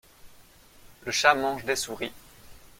Le chat mange des souris.